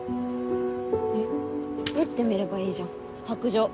えっ？持ってみればいいじゃん白杖。